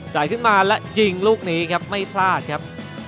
ขึ้นมาและยิงลูกนี้ครับไม่พลาดครับ